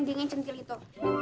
gang yang centil gitu